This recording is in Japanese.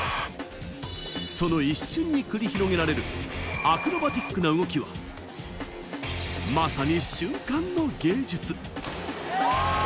一瞬で繰り広げられる、アクロバティックな動きがまさに瞬間の芸術。